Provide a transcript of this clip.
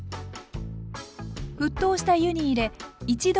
沸騰した湯に入れ一度